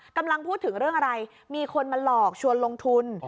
กำลังพูดถึงเรื่องอะไรมีคนมาหลอกชวนลงทุน